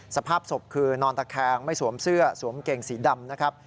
สภาพศพคือนอนตะแคงไม่สวมเสื้อสวมเกงสีดำนะครับ